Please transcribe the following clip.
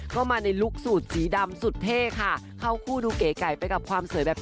ก็มาในลุคสูตรสีดำสุดเท่ค่ะเข้าคู่ดูเก๋ไก่ไปกับความสวยแบบ